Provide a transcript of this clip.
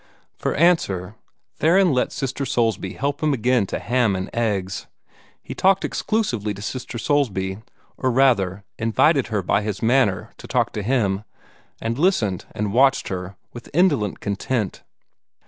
For answer, Theron let Sister Soulsby help him again to ham and eggs. He talked exclusively to Sister Soulsby, or rather invited her by his manner to talk to him, and listened and watched her with indolent content.